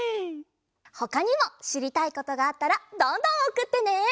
ほかにもしりたいことがあったらどんどんおくってね！